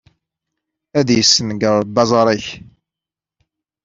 Ad yessenger Ṛebbi aẓar-ik!